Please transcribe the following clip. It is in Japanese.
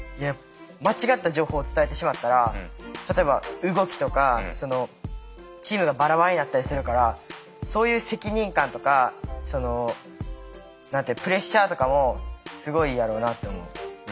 間違った情報を伝えてしまったら例えば動きとかチームがバラバラになったりするからそういう責任感とかプレッシャーとかもすごいやろなと思う。